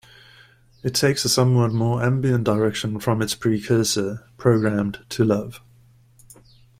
It takes a somewhat more ambient direction from its precursor, Programmed to Love.